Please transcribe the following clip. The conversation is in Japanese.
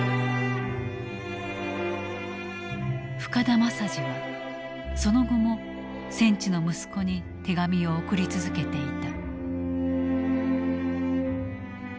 深田政次はその後も戦地の息子に手紙を送り続けていた。